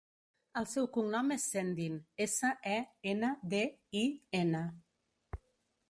El seu cognom és Sendin: essa, e, ena, de, i, ena.